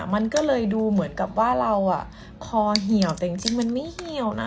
มันก็เลยดูเหมือนกับว่าเราคอเหี่ยวแต่จริงมันไม่เหี่ยวนะ